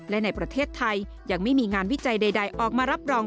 และในประเทศไทยยังไม่มีงานวิจัยใดออกมารับรอง